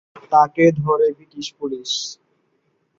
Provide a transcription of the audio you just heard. তাকে ধরে British police.